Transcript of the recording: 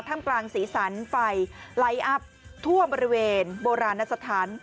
ทำกลางสีสันไฟไลท์อัพทั่วบริเวณโบราณสถาน